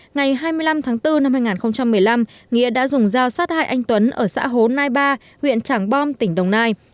ngày hai mươi năm tháng bốn năm hai nghìn một mươi năm nghĩa đã dùng dao sát hại anh tuấn ở xã hồ nai ba huyện trảng bom tỉnh đồng nai